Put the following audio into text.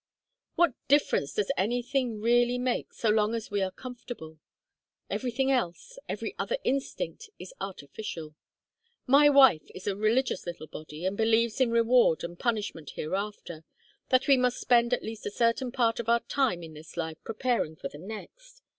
What difference does anything really make, so long as we are comfortable? Everything else, every other instinct, is artificial. My wife is a religious little body and believes in reward and punishment hereafter, that we must spend at least a certain part of our time in this life preparing for the next.